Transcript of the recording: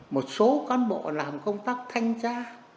một số cán bộ làm công tác thanh tra